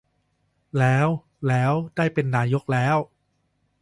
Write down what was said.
แล้ว แล้ว ได้เป็นนายกแล้ว